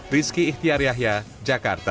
rizky ihtiar yahya jakarta